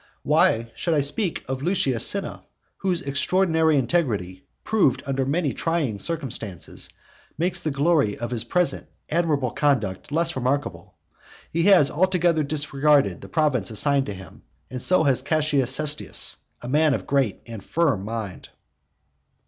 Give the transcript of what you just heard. Why should I speak of Lucius Cinna? whose extraordinary integrity, proved under many trying circumstances, makes the glory of his present admirable conduct less remarkable; he has altogether disregarded the province assigned to him; and so has Caius Cestius, a man of great and firm mind.